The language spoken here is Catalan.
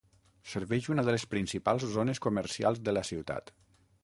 Serveix una de les principals zones comercials de la ciutat.